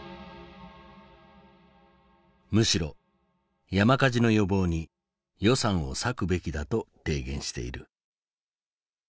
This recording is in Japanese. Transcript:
むしろ山火事の予防に予算を割くべきだと提言している。